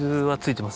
はい。